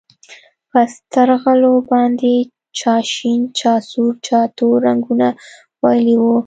په سترغلو باندې چا شين چا سور چا نور رنګونه وهلي وو.